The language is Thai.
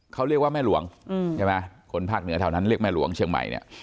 เขาเรียกว่าแม่หลวงใช่ไหมคนภาคเหนือแถวนั้นเรียกแม่หลวงเชียงใหม่เนี่ย